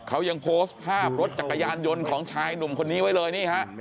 เขายังโพสต์ภาพรถจักรยานยนต์ของชายหนุ่มคนนี้ไว้เลยนี่ฮะ